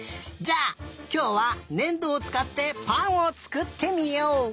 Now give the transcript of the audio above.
じゃあきょうはねんどをつかってぱんをつくってみよう！